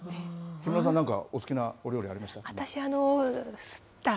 木村さん、なんかお好きなお料理ありました？